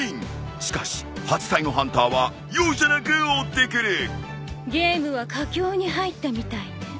［しかし８体のハンターは容赦なく追ってくる］ゲームは佳境に入ったみたいね。